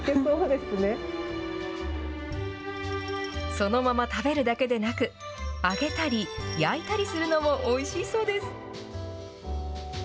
そのまま食べるだけでなく、揚げたり、焼いたりするのもおいしいそうです。